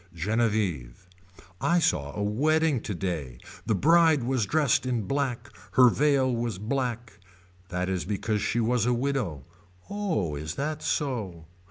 Genevieve. I saw a wedding today. The bride was dressed in black. Her veil was black. That is because she was a widow. Oh is that so.